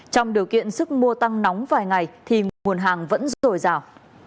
trong điều kiện sức mua tăng nóng vài ngày thì nguồn hàng vẫn dồi dào